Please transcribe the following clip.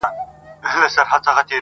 لکه پاتا ته وي راغلي پخوانۍ سندري،